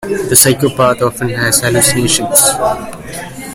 The psychopath often has hallucinations.